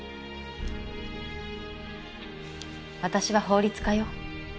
私は法律家よ。